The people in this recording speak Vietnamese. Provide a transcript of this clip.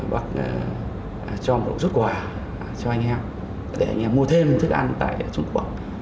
bác cho một rút quà cho anh em để anh em mua thêm thức ăn tại trung quốc